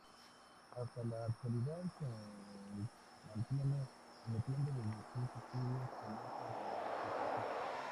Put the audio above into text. Hasta la actualidad se mantiene emitiendo desde sus estudios en esa demarcación.